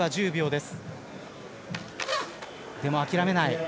でも諦めない。